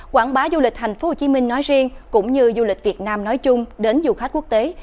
quảng bá du lịch tp hcm nói riêng cũng như du lịch việt nam nói chung đến du khách quốc tế